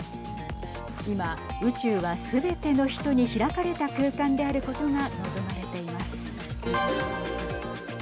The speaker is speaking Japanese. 今、宇宙はすべての人に開かれた空間であることが望まれています。